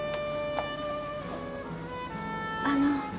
あの。